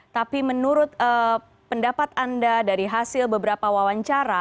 tapi menurut pendapat anda dari hasil beberapa wawancara